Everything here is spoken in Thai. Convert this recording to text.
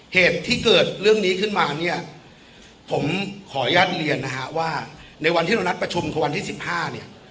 เหตุที่เกิดเรื่องนี้ขึ้นมาเนี่ยผมขออนุญาตเรียนนะฮะว่าในวันที่เรานัดประชุมคือวันที่สิบห้าเนี่ย